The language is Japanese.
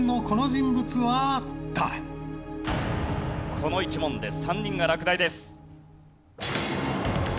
この１問で３人が落第です。